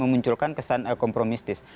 memunculkan kesan kompromistis